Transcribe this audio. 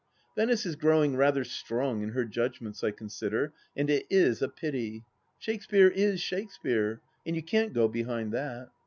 Venice is growing rather strong in her judgments, I consider, and it is a pity. Shakespeare is Shakespeare, and you can't go behind that 1